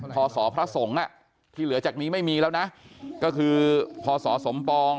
พศพระสงฆ์ที่เหลือจากนี้ไม่มีแล้วนะก็คือพศสมปอง